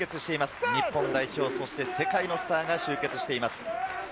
日本代表、そして世界のスターが集結しています。